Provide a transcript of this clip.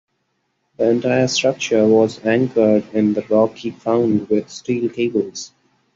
The entire structure was anchored in the rocky ground with steel cables.